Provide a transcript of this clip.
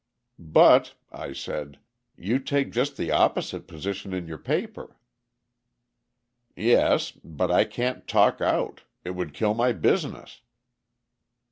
"But," I said, "you take just the opposite position in your paper." "Yes but I can't talk out; it would kill my business."